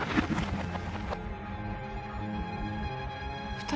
２人。